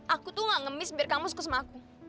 aku tuh gak ngemis biar kamu suka sama aku